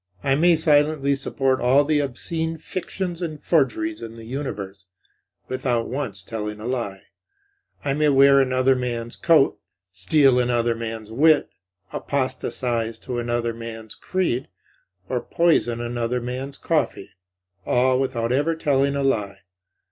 I may silently support all the obscene fictions and forgeries in the universe, without once telling a lie. I may wear another man's coat, steal another man's wit, apostatize to another man's creed, or poison another man's coffee, all without ever telling a lie.